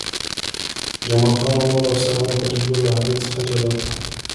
جمال خان او نورو افسرانو فریدګل له هغه څخه جلا کړ